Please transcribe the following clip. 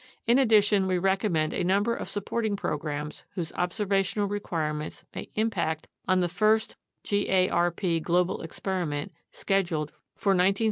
In addition, we recom mend a number of supporting programs whose observational require ments may impact on the First garp Global Experiment scheduled for 1978 1979.